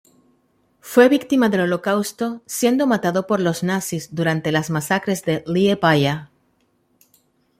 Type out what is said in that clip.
Fue víctima del Holocausto, siendo matado por los nazis durante las masacres de Liepāja.